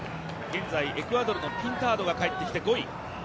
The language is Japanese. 現在、エクアドルのピンタードが帰ってきて、５位。